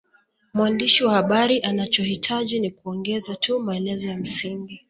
Mwandishi wa habari anachohitaji ni kuongeza tu maelezo ya msingi